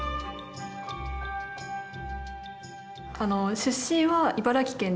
出身は茨城県で。